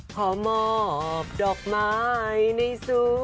เพราะมอบดอกไม้ในศูนย์